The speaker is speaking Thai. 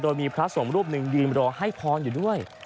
โดยมีพระสงฆ์รูปหนึ่งยืนรอให้พรอยู่ด้วย